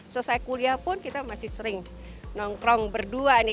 selesai kuliah pun kita masih sering nongkrong berdua nih